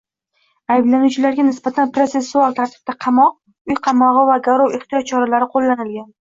Ayblanuvchilarga nisbatan protsessual tartibda qamoq, uy qamog‘i va garov ehtiyot choralari qo‘llanilgan